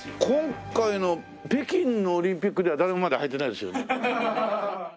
今回の北京のオリンピックでは誰もまだ履いてないですよね？